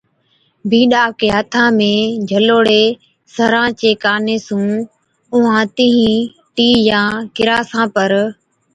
بِينڏَ آپڪي ھٿا ۾ جھالوڙي سران چي ڪاني سُون اُونھان تينھين T يان ڪِراسا پر